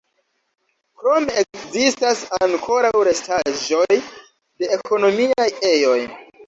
Krome ekzistas ankoraŭ restaĵoj de ekonomiaj ejoj.